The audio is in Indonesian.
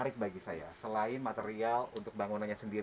siap sampai ketemu lagi